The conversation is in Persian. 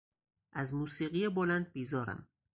از موسیقی بلند بیزارم.